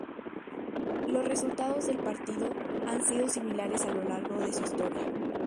Los resultados del partido han sido similares a lo largo de su historia.